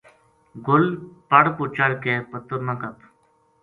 گل پَڑ پو چڑھ کے پتر نہ کپ